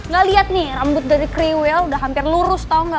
gak lihat nih rambut dari kriwell udah hampir lurus tau gak